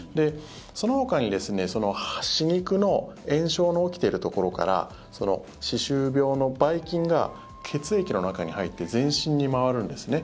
そのほかに歯肉の炎症の起きているところから歯周病のばい菌が血液の中に入って全身に回るんですね。